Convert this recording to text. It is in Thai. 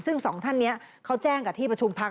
ซึ่งสองท่านนี้เขาแจ้งกับที่ประชุมพัก